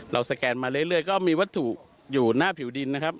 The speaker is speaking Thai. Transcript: สแกนมาเรื่อยก็มีวัตถุอยู่หน้าผิวดินนะครับ